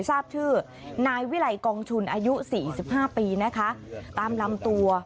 ทราบชื่อนายวิลัยกองชุนอายุ๔๕ปีตามลำตัว